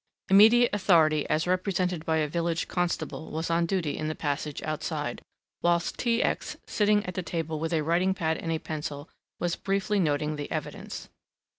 Immediate authority as represented by a village constable was on duty in the passage outside, whilst T. X. sitting at the table with a writing pad and a pencil was briefly noting the evidence.